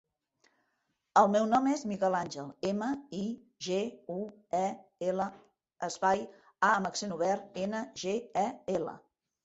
El meu nom és Miguel àngel: ema, i, ge, u, e, ela, espai, a amb accent obert, ena, ge, e, ela.